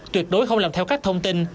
tuyệt đối không làm theo các thông tin